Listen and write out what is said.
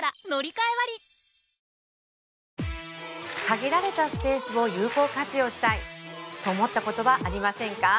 限られたスペースを有効活用したいと思ったことはありませんか？